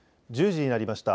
１０時になりました。